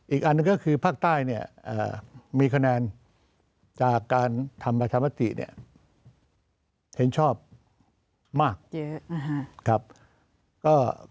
อีกอันก็คือภาคใต้มีคะแนนจากการทำปัชภาษีเนี่ยเห็นชอบมาก